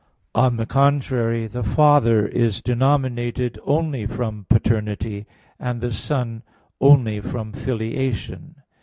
On the contrary, The Father is denominated only from paternity; and the Son only from filiation.